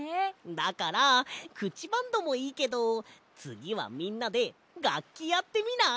だからくちバンドもいいけどつぎはみんなでがっきやってみない？